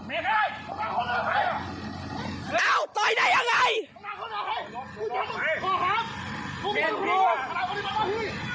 เอ้าต่อยได้ยังไง